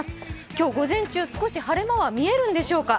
今日午前中少し晴れ間は見えるんでしょうか。